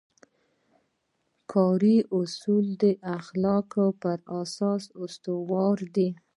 کاري اصول د اخلاقو په اساس استوار دي.